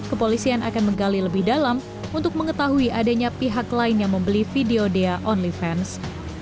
kepolisian akan menggali lebih dalam untuk mengetahui adanya pihak lain yang membeli video dea only fans